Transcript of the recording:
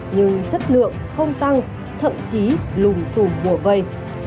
nhưng chất lượng không tăng thậm chí lùng xùm bùa vây